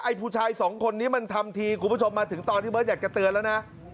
ผู้ชายสองคนนี้มันทำทีคุณผู้ชมมาถึงตอนที่เบิร์ตอยากจะเตือนแล้วนะ